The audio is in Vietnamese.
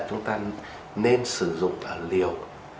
chúng ta nên sử dụng liều